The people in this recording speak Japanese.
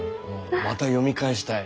また読み返したい。